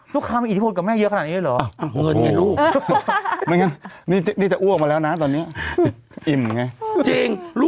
ลูกค้ามีอิทธิพลกับแม่เยอะขนาดนี้เลยเหรอ